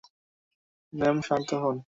Ma'am, শান্ত হোন।